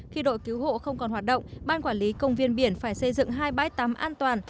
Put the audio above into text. khi đội cứu hộ không còn hoạt động ban quản lý công viên biển phải xây dựng hai bãi tắm an toàn